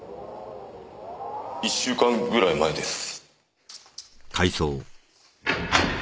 １週間ぐらい前です。